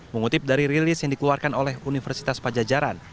mengutip dari rilis yang dikeluarkan oleh universitas pajajaran